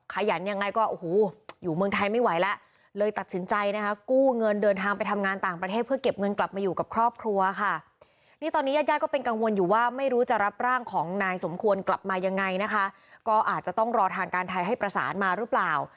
ขยันยังไงก็โอ้โหอยู่เมืองไทยไม่ไหวแล้วเลยตัดสินใจนะคะกู้เงินเดินทางไปทำงานต่างประเทศเพื่อเก็บเงินกลับมาอยู่กับครอบครัวค่ะนี่ตอนนี้ญาติญาติก็เป็นกังวลอยู่ว่าไม่รู้จะรับร่างของนายสมควรกลับมายังไงนะคะก็อาจจะต้องรอทางการไทยให้ประสานมาหรือเปล่า